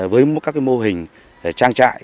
với các cái mô hình trang trại